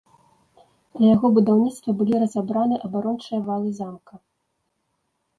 Для яго будаўніцтва былі разабраны абарончыя валы замка.